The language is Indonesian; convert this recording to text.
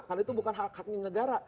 karena itu bukan hak haknya negara